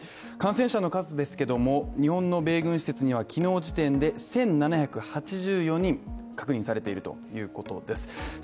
感染者の数ですけども、日本の米軍施設には昨日時点で１７８４人確認されているということです。